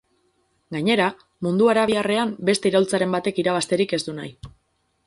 Gainera, mundu arabiarrean beste iraultzaren batek irabazterik ez du nahi.